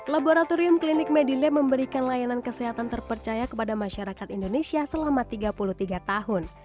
laboratorium klinik medilab memberikan layanan kesehatan terpercaya kepada masyarakat indonesia selama tiga puluh tiga tahun